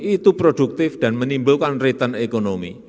itu produktif dan menimbulkan return ekonomi